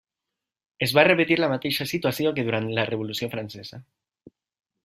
Es va repetir la mateixa situació que durant la Revolució Francesa.